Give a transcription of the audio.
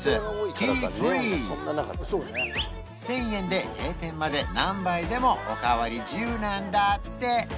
ティーフリー１０００円で閉店まで何杯でもお代わり自由なんだって